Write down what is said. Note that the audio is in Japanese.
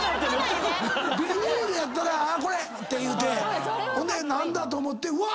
ビニールやったらこれって言うてほんで何だ？と思ってうわ！